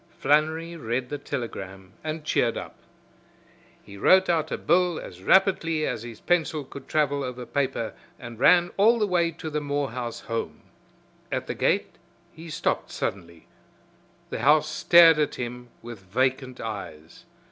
Flannery read the telegram and cheered up. He wrote out a bill as rapidly as his pencil could travel over paper and ran all the way to the Morehouse home. At the gate he stopped suddenly. The house stared at him with vacant eyes.